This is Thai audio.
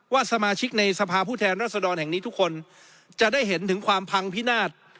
สมาชิกในสภาพผู้แทนรัศดรแห่งนี้ทุกคนจะได้เห็นถึงความพังพินาศ